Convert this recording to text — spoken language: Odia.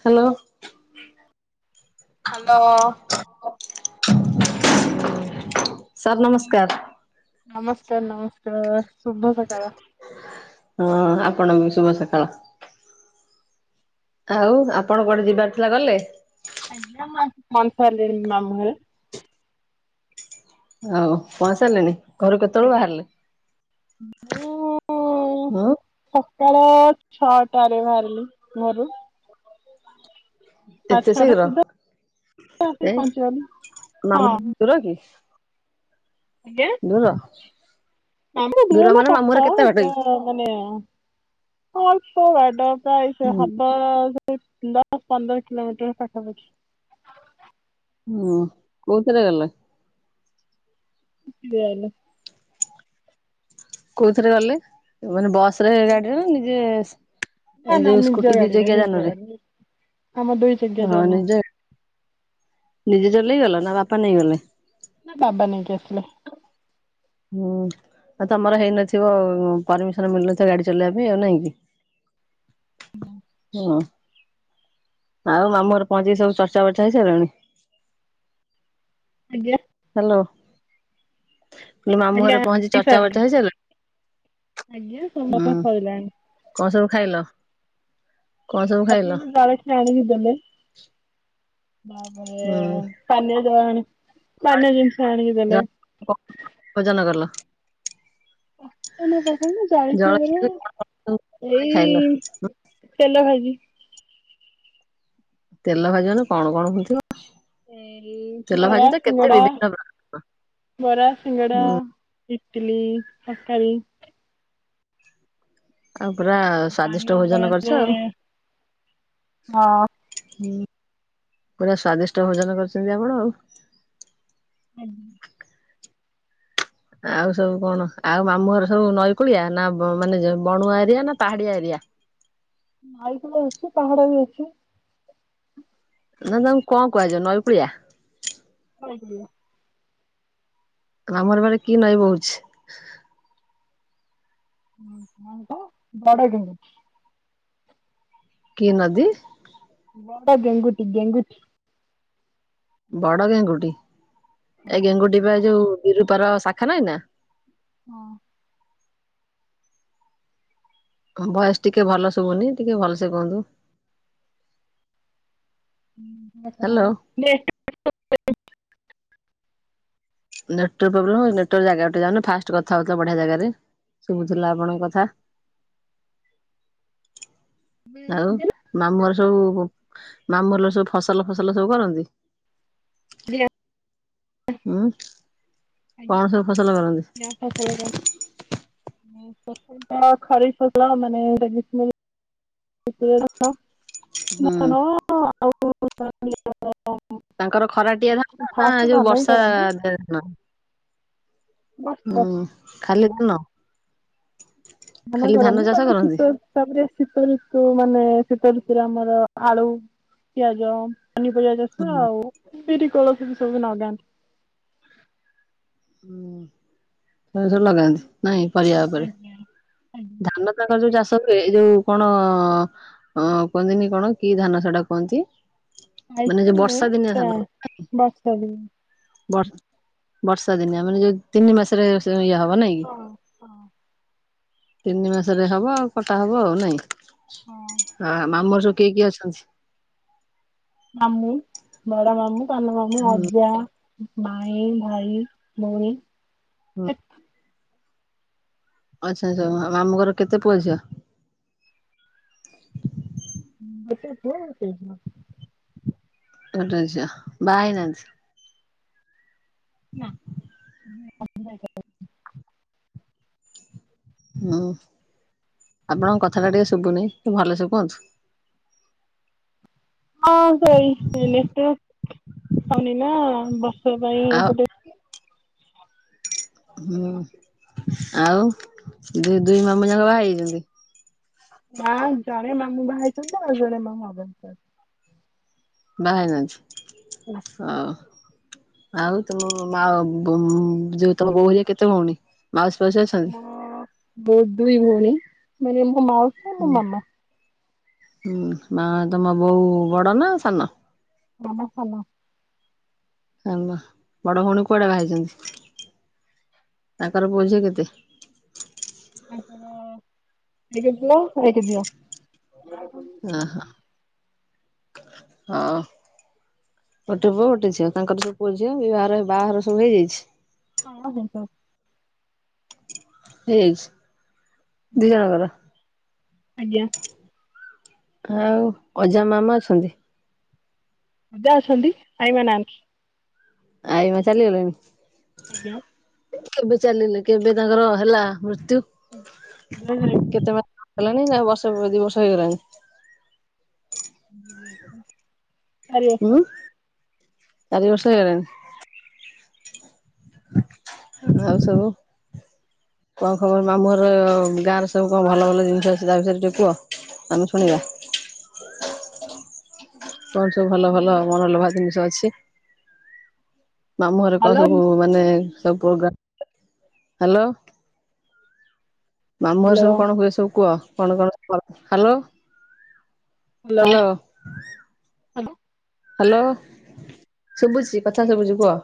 ହାଲୋ। ହାଲୋ। ସାର୍ ନମସ୍କାର। ନମସ୍କାର ନମସ୍କାର ଶୁଭ ସକାଳ। ହଁ ଆପଣଙ୍କୁ ବି ଶୁଭ ସକାଳ। ଆଉ ଆପଣ କୁଆଡେ ଯିବାର ଥିଲା ଗଲେ? ଆଜ୍ଞା ମୁଁ ଆସି ପହଞ୍ଚି ସାରିଲିଣି ମାମୁଁ ଘରେ। ଓ ପହଞ୍ଚି ସାରିଲେଣି ଘରୁ ଘରେ କେତେବେଳୁ ଆଜ୍ଞା ବାହାରିଲେ? ମୁଁ। ହଁ ସକାଳ ଛଅଟାରୁ ବାହାରିଲି ଘରୁ। ସାଢ଼େ ଏତେ ଛଅଟା ଶୀଘ୍ର। ସୁଦ୍ଧା ଆସିକି କାଇଁ ପହଞ୍ଚିଗଲି ମାମୁ ହଁ। ଘର ଦୂର କି। ଦୂର। ମାମୁ ଘର ଦୂର ନୁହେଁ ମାନେ ମାମୁଁ ପାଖ ଘର କେତେ ବାଟ ଯେ। କି? ମାନେ ଅଳ୍ପ ବାଟ ପ୍ରାୟ ସେ ହୁଁ ହବ। ଦଶ ପନ୍ଦର କିିଲୋମିଟର ପାଖା ପାଖି। ଉଁ କୋଉଥିରେ ଗଲ। ସ୍କୁଟି ରେ ଆଇଲି। କୋଉ ଥିରେ ଗଲେ ମାନେ ବସ ରେ ଗାଡିରେ ନା ନିଜେ। ନା ଏଇ ନା ଯୋଉ ନିଜ ସ୍କୁଟି ଦି ଚ ଗାଡିରେ କିଆ ନିଜ ଜାନରେ ଗାଡିରେ। ଆମ ଦୁଇ ଚକିଆ ହଁ ଯାନ ନିଜେ ନିଜେ ଚଲେଇ କି ଗଲ ନା ବାପା ନେଇଗଲେ। ନାଇଁ ବାବା ନେଇକି ଆସିଲେ। ହୁଁ ଆଉ ତମର ହେଇନଥିବ ପରମିସନ ମିଳନଥିବ ଗାଡି ଚଲେଇବା ପାଇଁ ଆଉ ନାଇଁ କି। ହୁଁ ଆଉ ମାମୁଁ ଘରେ ପହଞ୍ଚିକି ସବୁ ଚର୍ଚ୍ଚା ବର୍ଚ୍ଚା ହେଇସାରିଲାଣି। ଆଜ୍ଞା ହ୍ୟାଲୋ ମୁ କହିଲି ମାମୁଁ ଆଜ୍ଞା ଘରେ ପହଞ୍ଚି ଆଣି ଚର୍ଚ୍ଚା ସାରିଲେ ବର୍ଚ୍ଚା ହେଇସାଇଲଣି। ଆଜ୍ଞା ତମ ପା ସଇଲାଣି କଣ ସବୁ ଖାଇଲ? କଣ ସବୁ ଖାଇଲ? ମତେ ତ ଜଳଖିଆ ଅଣିକି ଦେଲେ ତାପରେ ହୁଁ ପାନୀୟ ଜଳ ପାନୀୟ ଜିନିଷ ଆଣିକି ଦେଲେ। ଜଳଖିଆରେ ଭୋଜନ କଲ। [unintelligible] ରେ ଜଳଖିଆରେ କଣ କଣ ସବୁ ଖାଇଲ? ଏଇ ତେଲ ଭାଜି ତେଲ ଭାଜନ କଣ କଣ ହଉଥିବ ଏଇ ବରା ଶିଙ୍ଗଡ଼ା ବିଭିନ୍ନ ପ୍ର ବରା ଶିଙ୍ଗଡ଼ା ହୁଁ ଇଟିଲି ତରକାରୀ ଆଉ ପୁରା ସ୍ଵାଦିଷ୍ଟ ପାନୀୟ ଭୋଜନ ଜଳରେ କରିଛ ଆଉ। ହଁ ହୁଁ ପୁରା ସ୍ଵାଦିଷ୍ଟ ଭୋଜନ କରିଛନ୍ତି ଆପଣ ଆଉ ଆଜ୍ଞା ଆଉ ସବୁ କଣ ଆଉ ମାମୁଁ ଘର ସବୁ ନଈକୂଳିଆ ନା ବ ମାନେ ବଣୁଆ ଏରିଆ ନା ପାହାଡିଆ ଏରିଆ? ଭାଇକୁ ଅଛି ପାହାଡ ବି ଅଛି। ନା ତମକୁ କଣ କୁହାଯାଏ ନଈକୁଳିଆ? କୁଳିଆ ତମର ବଳେ କି ନଇ ବହୁଛି? ହୁଁ କଣ ତ ବଡ ଗେହୀ କି ନଦୀ? ବଡ ଗେଁଙ୍ଗୁତି ଗେଙ୍ଗୁଟି ବଡ ଗେଙ୍ଗୁଟି ଏଇ ହଁ ଗେଙ୍ଗୁଟି ବା ଏ ଯୋଉ ବିରୁୂତର ଶାଖା ନାହିଁ ନା ହଁ ତମ ଭଏସ ଟିକେ ଭଲ ଶୁଭୁନି ଟିକେ ଭଲସେ କୁହନ୍ତୁ। [inaudible] ହ୍ୟାଲୋ କଣ ନେଟୱର୍କ ପ୍ରୋବଲମ ହଉ ନେଟୱର୍କ ଜାଗାକୁ ଯାଉନ ଫାଷ୍ଟ କଥା ହଉଥିଲା ବଢିଆ ଜାଗାରେ ଶୁଭୁଥିଲା ଆପଣଙ୍କ କଥା ବି ମାମୁଁଘର ସବୁ ମାମୁଁଲ ସବୁ ଫସଲ ଫସଲ ସବୁ କରନ୍ତି। ରିଆ ହୁଁ କଣ ସବୁ ଫସଲ କରନ୍ତି? ରିଆ ଫସଲ କର ଫସଲ ଟ ଖରିଫ ଫସଲ ମାନେ ଏଇଟା ହୁଁ ମଟନ ଆଉ ସବୁ ତାଙ୍କର ଖରାଟିଆ ଧାଣ ନା ଏ ଫାଷ୍ଟ ଯୋଉ ଧାନ ହିଁ ବର୍ଷା କରନ୍ତି ଧାନ ବର୍ଷ ହୁଁ ବର୍ଷ ଖାଲି ତନ ଧାନ କରନ୍ତିି ତାପରେ କରନ୍ତି ଶୀତ ତାପରେ ଶୀତ ଋତୁ ମାନେ ଶୀତ ଋତୁରେ ଆମର ଆଳୁ ପିଆଜ ପନିପରିବା ଚାଷ ହୁଁ ଆଉ ବିରି, କୋଳଥ ସବୁ ଲଗାନ୍ତି। ହୁଁ ଏସବୁ ଲଗାନ୍ତି ନାଇଁ ପରିବା ଉପରେ ଆଜ୍ଞା ଆଜ୍ଞା ଧାନ ତାଙ୍କର ଯୋଉ ଚାଷ ହୁଏ, ଏଇ ଯୋଉ କଣ ହଁ କୁହନ୍ତିିନି କଣ କି ଧାନ ସେଟା କୁହନ୍ତି? ମାନେ ଯ‌ଉ ଆଇସମେ ବର୍ଷା ଦିନିଆ ଟା ଧାନ। ବର୍ଷା ଦିନ ବ ବର୍ଷା ଦିନିଆ ମାନେ ଯୋଉ ତିନି ମାସରେ ଇଏ ହବ ନାଇଁ? କି? ହଁ। ହଁ ତିନି ମାସରେ ହବ ଆଉ କଟା ହବ ଆଉ ନାଇଁ ହଁ। ଆ ମାମୁଁ ହର ସବୁ କିଏ କିଏ ଅଛନ୍ତି? ମାମୁଁ ବଡ଼ମାମୁଁ ସାନମାମୁଁ ହୁଁ ଅଜା। ମାଇଁ ଭାଈ ଭୋଉଣୀ। ହଁ। ଆଚ୍ଛା ଆଚ୍ଛା ଆଉ ମାମୁଁ ଘର କେତେ‌ ପୁଅ ଝିଅ? ଗୋଟେ ପୁଅ ଗୋଟେ ଝିଅ। ଗୋଟେ ଝିଅବାହା ହେଇନାହାନ୍ତି। ନା। [unintelligible] ହୁଁ ଆପଣଙ୍କ କଥାଟା ଟିକେ ଶୁଭୁନି ଭଲସେ କୁହନ୍ତୁ। ହଁ ସେଇ ଇଲେଟି ହଉନି ନା ବର୍ଷେ ପାଇଁ ଆଉ ଏପଟେ। ହୁଁ ଆଉ ଦୁଇ ଦୁଇ ମାମୁଁ ଯାଙ୍କ ବାହା ହେଇଯାଇଚନ୍ତି। ନା ଜଣେ ମାମୁଁ ବାହା ହେଇଛନ୍ତି ଆଉ ଜଣେ ମାମୁଁ ଅଗସ୍ତଅଛନ୍ତି। ବାହା ଅଛନ୍ତି ହେଇନାହାନ୍ତି ହଁ। ଆଉ ତମ ମା ବୋଉଁ ଯୋଉ ତମ ବୋଉ ହେରିକା କେତେ ଭଉଣୀ? ମାଉସୀ ଫାଉସି ଅଛ। ବୋଉ ଦୁଇ ଭଉଣୀ ମାନେ ମୋ ମାଉ ହୁଁ ହୁଁ ମା ତମ ବୋଉ ବଡ଼ ନା ସାନ? [unintelligible] ଆମା ବଡ ଭଉଣୀ କୁଆଡେ଼ ଭାଇଚନ୍ତି ତାଙ୍କର ପୁଅ ଝିଅ କେତେ? ତାଙ୍କର ଟିକେ ପୁଅ ସାଇଟି ଦିଅ। ନା ହଁ। ଗୋଟେ ପୁଅ ଗୋଟେ ଝିଅ ତାଙ୍କର ସବୁ‌ ପୁଅ ଝିଅ ଦୁଇ ବାହାଘର ବାହାଘର ସବୁ ହେଇଯାଇଛି। ହଁ ହେବ। ହେଇଯାଇଚି ଦି ଜଣଙ୍କର। ଆଜ୍ଞା। ଆଉ କଜିଆ ମାମା ଅଛନ୍ତି? ଅଜା ଅଛନ୍ତି ଆଈମା ନାହାନ୍ତି। ଆଈମା ଚାଲିଗଲେଣି। ଆଜ୍ଞା। କେବେ ଚାଲିଲେ କେବେ ତାଙ୍କର ହେଲା ମୃତ୍ୟୁ? [inaudible] କେତେ ମାସ ହେଲାଣି ନା ବର୍ଷ ଦି ବର୍ଷ ହେଇଗଲାଣି। ଚାରି ଉଁ ବର୍ଷ। ଚାରି ବର୍ଷ ଚାଲିଛି ହେଇଗଲାଣି। ଆଖି ଥାଉଆଉ ସବୁ। କଣ ଖବର ମାମୁଁଘର ଗାଁରେ ସବୁ କଣ ଭଲ ଭଲ ଜିନିଷ ଆଛି ତା ବିଷୟରେ ଟିକେ କୁହ? ଆମେ ଶୁଣିବା। କଣ ସବୁ ଭଲ ଭଲ ମନଲୋଭା ଜିନିଷ ଅଛି? ମାମୁଁଘରେ କଣ ସବୁ ଭଲ ମାନେ ସବୁ ପ୍ରୋଗ୍ରା ହାଲୋ। ମାମୁଁ ଘର ସବୁ କଣ ହୁଏ ସବୁ କୁହ କଣ କଣ ସ ହାଲୋ? ଭଲ ଭଲ ହ୍ୟାଲୋ। ହ୍ୟାଲୋ ଶୁଭୁଛିି କଥା ଶୁଭୁଛି କୁହ।